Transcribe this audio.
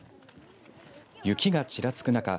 雪がちらつく中